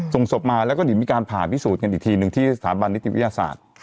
ส่งศพมาแล้วก็เดี๋ยวมีการผ่าพิสูจน์กันอีกทีหนึ่งที่สถาบันนิติวิทยาศาสตร์